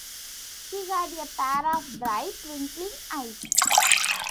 He had a pair of bright, twinkling eyes.